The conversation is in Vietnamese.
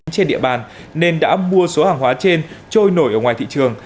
trên địa bàn nên đã mua số hàng hóa trên trôi nổi ở ngoài thị trường